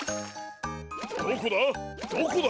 どこだ？